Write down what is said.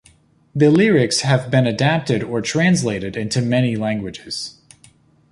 The lyrics have been adapted or translated into many languages.